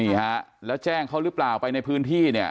นี่ฮะแล้วแจ้งเขาหรือเปล่าไปในพื้นที่เนี่ย